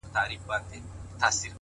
• عطر دي د ښار پر ونو خپور کړمه,